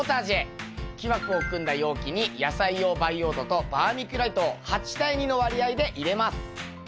木枠を組んだ容器に野菜用培養土とバーミキュライトを８対２の割合で入れます。